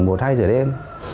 một hai giờ đêm